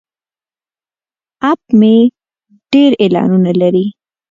اپ مې ډیر اعلانونه لري.